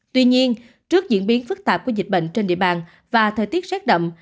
tuy nhiên trước diễn biến phức tạp của dịch bệnh trên địa bàn và thời tiết rét đậm